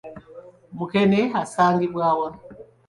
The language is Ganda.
Mukene asangibwa wa?